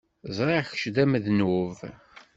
Ẓriɣ kečč d amednub.